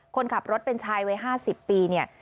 คนขับรถเป็นชายไว้๕๐ปี